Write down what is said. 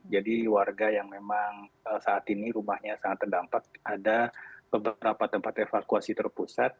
jadi warga yang memang saat ini rumahnya sangat terdampak ada beberapa tempat evakuasi terpusat